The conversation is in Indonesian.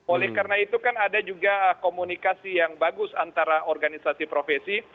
oleh karena itu kan ada juga komunikasi yang bagus antara organisasi profesi